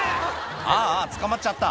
ああ捕まっちゃった